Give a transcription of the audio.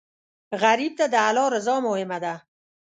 غریب ته د الله رضا مهمه ده